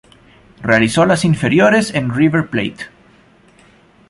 Realizó las inferiores en River Plate.